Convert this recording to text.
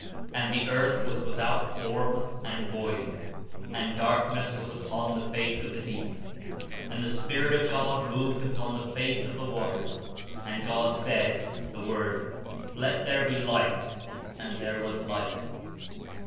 And the earth was without form and void; and dark ness was upon the face of the deep. Be Lightr "^"^^^^^ Spirit of God moved upon the face of the zvaters. And God said (The Word), Let there be light; and there was light.''